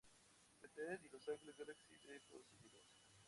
United y Los Angeles Galaxy de Estados Unidos.